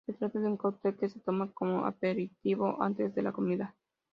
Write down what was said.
Se trata de un cóctel que se toma como aperitivo antes de la comida.